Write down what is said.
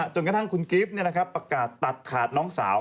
จนกระทั่งคุณกิฟต์ประกาศตัดขาดน้องสาว